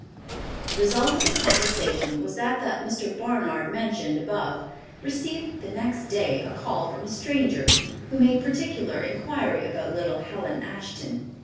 The result of the conversation was that the Mr. Barnard mentioned above received the next day a call from a stranger, who made particular inquiry about little Helen Ashton.